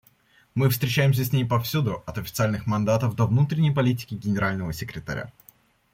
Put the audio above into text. Мы встречаемся с ней повсюду: от официальных мандатов до внутренней политики Генерального секретаря.